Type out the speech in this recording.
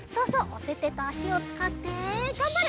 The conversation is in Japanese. おててとあしをつかってがんばれ！